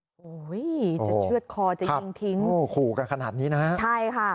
โอ้โหจะเชื่อดคอจะยิงทิ้งโอ้โหขู่กันขนาดนี้นะฮะใช่ค่ะ